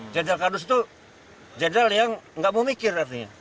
jenderal kardus itu jenderal yang tidak memikir